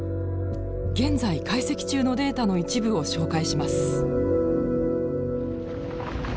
現在解析中のデータの一部を紹介します。